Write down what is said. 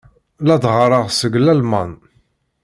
La d-ɣɣareɣ seg Lalman.